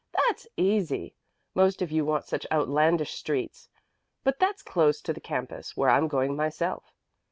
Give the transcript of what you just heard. "That's easy. Most of you want such outlandish streets. But that's close to the campus, where I'm going myself.